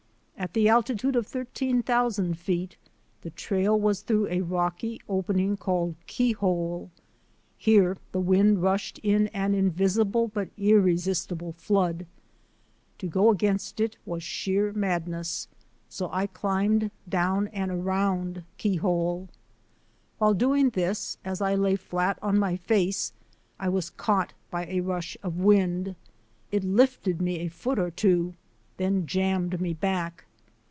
At the altitude of thirteen thousand feet, the trail was through a rocky opening called Keyhole. Here the wind rushed in an invisible but irresisti ble flood. To go against it was sheer madness, so I climbed down and around Keyhole. While 84 THE ADVENTURES OF A NATURE GUIDE doing this, as I lay flat on my face, I was caught by a rush of wind. It lifted me a foot or two, then jammed me back.